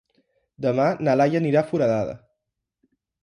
Demà na Laia anirà a Foradada.